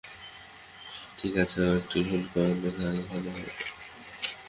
ঠিক আছে, activation coil ওখানে থাকা উচিত।